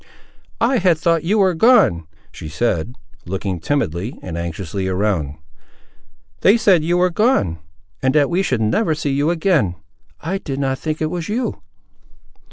"I had thought you were gone," she said, looking timidly and anxiously around. "They said you were gone; and that we should never see you again. I did not think it was you!"